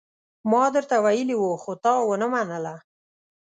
ما درته ويلي وو، خو تا ونه منله.